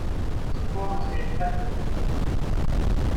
Zuvor müssen wir ihn fesseln und knebeln.